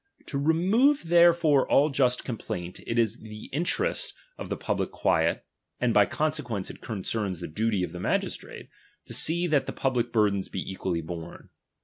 To re move therefore all just complaint, it is the interest f the public quiet, and by consequence it concerns *^he duty of the magistrate, to see that the public burthens be equally borne.